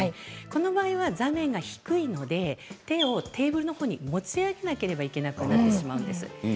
この場合は座面が低いので手をテーブルのほうに持ち上げなければいけなくなってしまうんです。